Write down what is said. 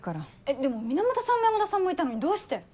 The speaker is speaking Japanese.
でも源さんも山田さんもいたのにどうして。